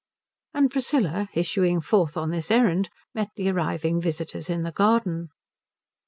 And Priscilla issuing forth on this errand met the arriving visitors in the garden.